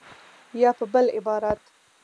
یا په بل عبارت